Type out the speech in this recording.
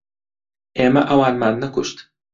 ئێمە ئەوانمان نەکوشت.